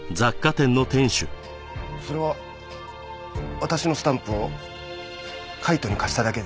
それは私のスタンプを海斗に貸しただけで。